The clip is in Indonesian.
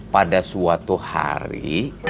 pada suatu hari